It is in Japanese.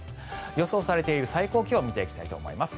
予想されている最高気温を見ていきたいと思います。